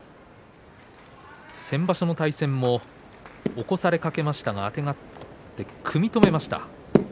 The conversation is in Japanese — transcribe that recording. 先場所の対戦も起こされかけましたけどもあてがって組み止めました。